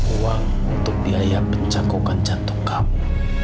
uang untuk biaya pencakupan jantung kamu